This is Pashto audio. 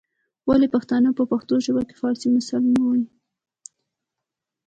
ولي پښتانه په پښتو ژبه کي فارسي مثالونه وايي؟